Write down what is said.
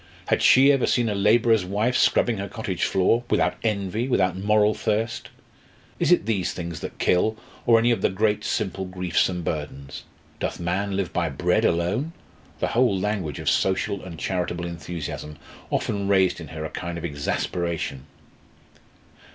Had she ever seen a labourer's wife scrubbing her cottage floor without envy, without moral thirst? Is it these things that kill, or any of the great simple griefs and burdens? Doth man live by bread alone? The whole language of social and charitable enthusiasm often raised in her a kind of exasperation.